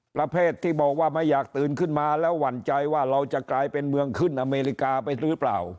ประเภทที่บอกว่าไม่อยากตื่นขึ้นมาแล้วหวั่นใจว่าเราจะกลายเป็นเมืองขึ้นอเมริกาไปหรือเปล่า